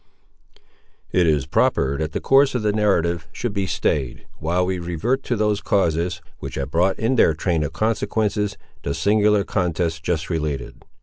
It is proper that the course of the narrative should be stayed, while we revert to those causes, which have brought in their train of consequences, the singular contest just related.